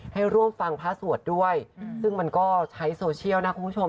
ให้ร่วมฟังพระสวดด้วยซึ่งมันก็ใช้โซเชียลนะคุณผู้ชม